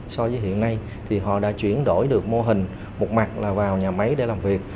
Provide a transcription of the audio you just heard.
so với hiện nay thì họ đã chuyển đổi được mô hình một mặt là vào nhà máy để làm việc